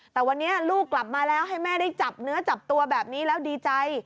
แต่วันนี้ลูกกลับมาแล้วให้แม่ได้จับเนื้อจับตัวแบบนี้แล้วดีใจ